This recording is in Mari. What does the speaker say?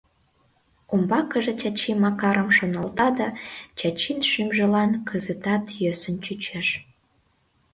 Умбакыже Чачи Макарым шоналта да, Чачин шӱмжылан кызытат йӧсын чучеш.